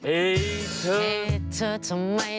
เอ่อเป็นอย่างไร